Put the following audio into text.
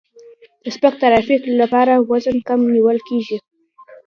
د سپک ترافیک لپاره وزن کم نیول کیږي